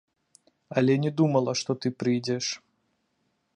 Але не думала, што ты прыйдзеш.